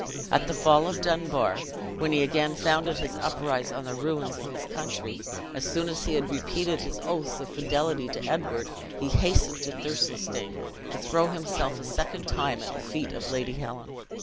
At the fall of Dunbar, when he again founded his uprise on the ruins of his country, as soon as he had repeated his oaths of fidelity to Edward, he hastened to Thirlestane, to throw himself a second time at the feet of Lady Helen.